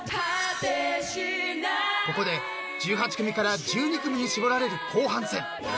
［ここで１８組から１２組に絞られる後半戦］